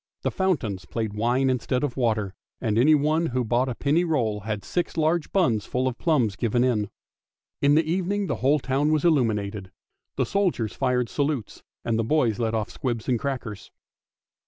The fountains played wine instead of water, and anyone who bought a penny roll had six large buns full of plums given in. In the evening the whole town was illuminated. The soldiers fired salutes, and the boys let off squibs and crackers.